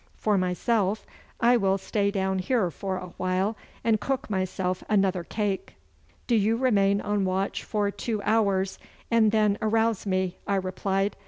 For myself, I will stay down here for a while and cook myself another cake.' 'Do you remain on watch for two hours and then arouse me,' I replied.